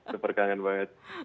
super kangen banget